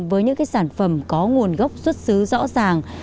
với những sản phẩm có nguồn gốc xuất xứ rõ ràng